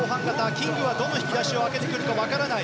キングはどの引き出しを開けるか分からない。